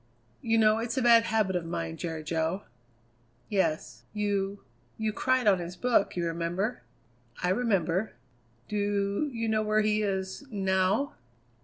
"You know, it's a bad habit of mine, Jerry Jo." "Yes. You you cried on his book, you remember?" "I remember." "Do you know where he is now?"